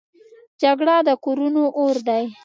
جګړه د کورونو اور دی